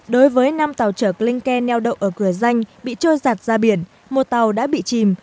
đối với năm tàu trượng kè neo đậu ở cửa danh bị trôi giặt ra biển một tàu đã bị chìm